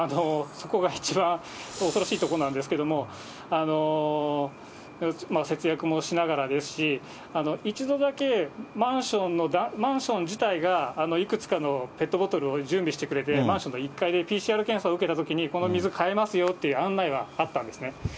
そこが一番恐ろしいところなんですけれども、節約もしながらですし、１度だけ、マンション自体がいくつかのペットボトルを準備してくれて、マンションの１階でＰＣＲ検査を受けたときに、この水買えますよっていう案内はあったんですね。